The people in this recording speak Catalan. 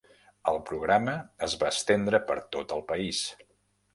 El programa es va estendre per tot el país.